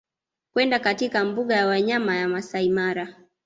kwenda katika mbuga ya wanyama ya Masaimara